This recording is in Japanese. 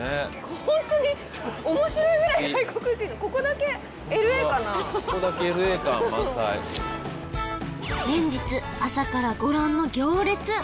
ホントに面白いぐらい外国人ここだけＬＡ感満載連日朝からご覧の行列！